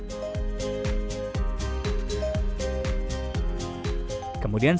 sistem tanam dengan metode hidroponik